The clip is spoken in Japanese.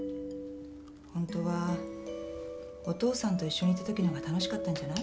ホントはお父さんと一緒にいたときのほうが楽しかったんじゃない？